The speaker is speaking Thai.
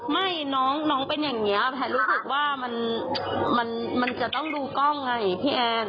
ไม่น้องน้องเป็นอย่างเงี้ยแผนรู้สึกว่ามันมันมันจะต้องดูกล้องไงพี่แอลค่ะ